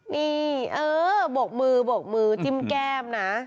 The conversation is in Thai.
นี่เออโบกมือบกมือจิ้มแก้มนะ